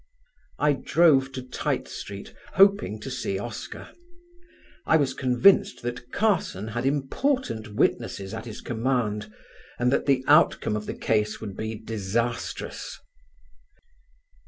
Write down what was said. I drove to Tite Street, hoping to see Oscar. I was convinced that Carson had important witnesses at his command, and that the outcome of the case would be disastrous.